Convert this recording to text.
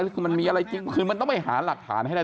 คือมันมีอะไรจริงคือมันต้องไปหาหลักฐานให้ได้